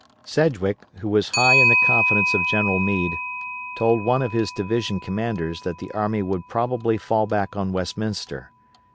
Sedgwick, who was high in the confidence of General Meade, told one of his division commanders that the army would probably fall back on Westminster.